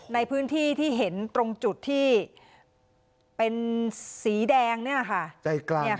ในพื้นที่ที่เห็นตรงจุดที่เป็นสีแดงเนี่ยค่ะ